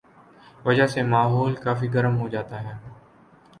وجہ سے ماحول کافی گرم ہوجاتا ہے